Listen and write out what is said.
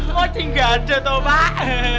mochi gak ada tau pak